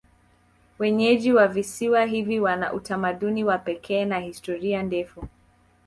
Wenyeji wa visiwa hivi wana utamaduni wa pekee na historia ndefu.